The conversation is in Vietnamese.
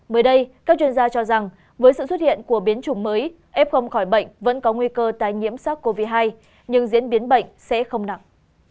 mới đây các chuyên gia cho rằng với sự xuất hiện của biến chủng mới f khỏi bệnh vẫn có nguy cơ tai nhiễm sars cov hai nhưng diễn biến bệnh sẽ không nặng